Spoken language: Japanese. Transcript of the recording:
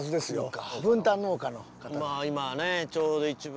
今ねちょうど一番。